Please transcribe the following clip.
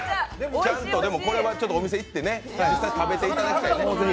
ちゃんと、でも、これはお店に行って実際に食べていただきたい！